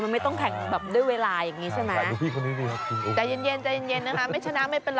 มันไม่ต้องแข็งด้วยเวลาแบบนี้ใช่ไหม